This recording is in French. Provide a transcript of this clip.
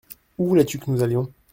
Où voulais-tu que nous allions ?